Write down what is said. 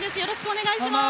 お願いいたします。